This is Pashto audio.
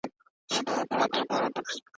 ټولنیز فکر یوازې د یو فرد له تجربې نه جوړېږي.